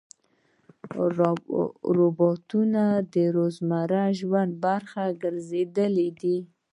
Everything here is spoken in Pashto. روبوټونه د روزمره ژوند برخه ګرځېدلي دي.